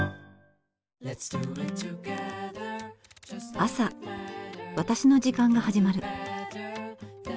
朝私の時間が始まる。